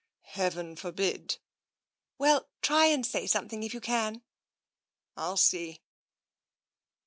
" Heaven forbid !"" Well, try and say something, if you can." " ril see."